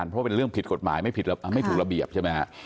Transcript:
เพราะเป็นเรื่องผิดกฎหมายไม่ผิดไม่ถูกระเบียบใช่ไหมฮะ